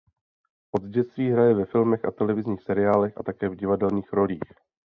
Od dětství hraje ve filmech a televizních seriálech a také v divadelních rolích.